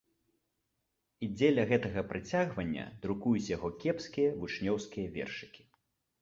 І дзеля гэтага прыцягвання друкуюць яго кепскія вучнёўскія вершыкі.